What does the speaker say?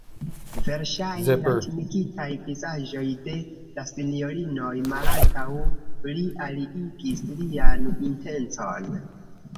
Verŝajne la timigitaj vizaĝoj de la sinjorinoj malantaŭ li aliigis lian intencon.